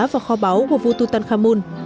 và kho báu của vua tutankhamun